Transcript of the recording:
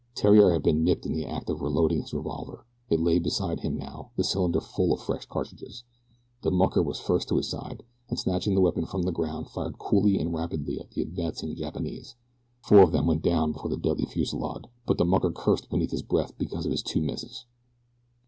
Theriere had been nipped in the act of reloading his revolver. It lay beside him now, the cylinder full of fresh cartridges. The mucker was first to his side, and snatching the weapon from the ground fired coolly and rapidly at the advancing Japanese. Four of them went down before that deadly fusillade; but the mucker cursed beneath his breath because of his two misses.